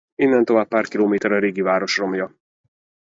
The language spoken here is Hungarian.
Innen tovább pár kilométer a régi város romja.